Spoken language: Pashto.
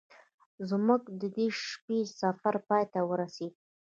زموږ د دې شپې سفر پای ته ورسید.